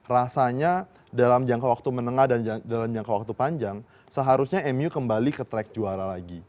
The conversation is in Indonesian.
rasanya dalam jangka waktu menengah dan dalam jangka waktu panjang seharusnya mu kembali ke track juara lagi